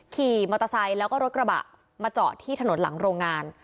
ขี่มอเตอร์ไซค์แล้วก็รถกระบะมาจอดที่ถนนหลังโรงงาน